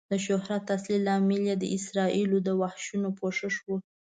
د شهرت اصلي لامل یې د اسرائیلو د وحشتونو پوښښ و.